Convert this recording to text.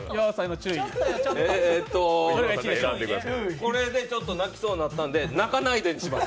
これでちょっと泣きそうになったんで、「泣かないで」にします。